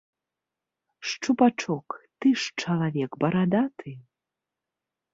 Шчупачок, ты ж чалавек барадаты.